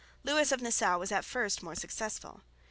Lewis of Nassau was at first more successful.